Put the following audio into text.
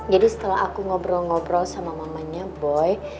jadi setelah aku ngobrol ngobrol sama mamanya boy